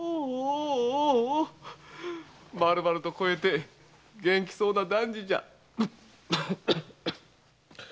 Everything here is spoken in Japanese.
まるまると肥えて元気そうな男児じゃ。